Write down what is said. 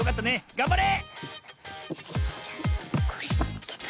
がんばれ！